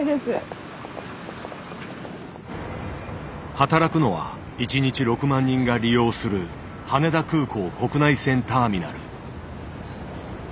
働くのは一日６万人が利用する羽田空港国内線ターミナル。